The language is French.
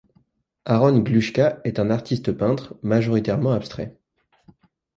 Aharon Gluska est un artiste peintre, majoritairement abstrait.